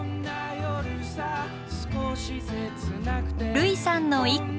類さんの一句。